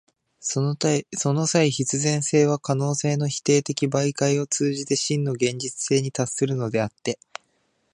その際、必然性は可能性の否定的媒介を通じて真の現実性に達するのであって、